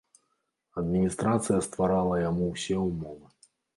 Адміністрацыя стварала яму ўсе ўмовы.